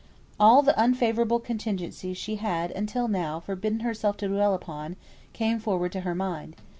All the unfavourable contingencies she had, until now, forbidden herself to dwell upon, came forward to her mind.